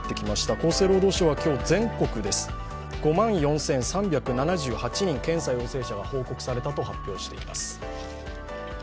厚生労働省は今日、全国で５万４３７８人検査陽性者が報告されたと発表しています。